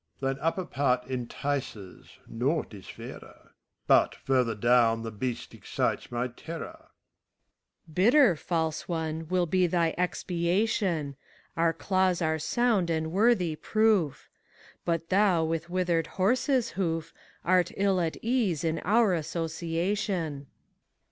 MEPHISTOPHELES. Thine upper part entices; naught is fairer; But, further down, the beast excites my terror. SPHINX. Bitter, False one, will be thy expiation; Our claws are sound and worthy proof. But thou with withered horseVhoof , Art ill at ease in our association.